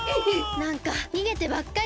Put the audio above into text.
なんかにげてばっかり！